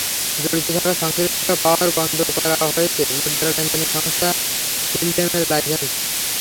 জড়িত থাকার সংশ্লিষ্টতা পাওয়ায় বন্ধ করা হয়েছে মুদ্রা লেনদেন সংস্থা ফিলরেমের লাইসেন্স।